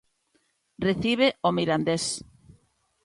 Recibe o Mirandés.